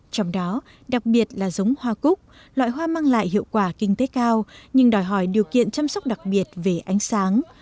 trong đó đặc biệt là giống hoa cúc loại hoa mang lại hiệu quả kinh tế cao nhưng đòi hỏi điều kiện chăm sóc đặc biệt về ánh sáng